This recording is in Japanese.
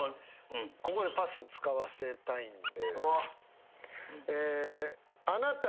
ここでパス使わせたいんで。